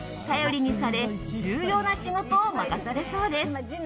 頼りにされ重要な仕事を任されそうです。